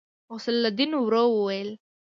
غوث الدين ورو وويل.